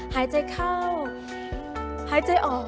หายใจเข้าหายใจออก